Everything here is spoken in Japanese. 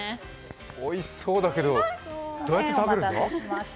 おいしそうだけどどうやって食べるの？